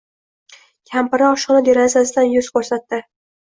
Kampiri oshxona derazasidan yuz ko‘rsatdi.